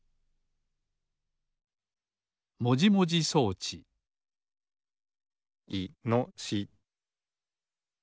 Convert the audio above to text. もじもじそうちいのし。